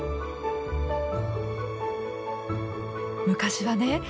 昔はね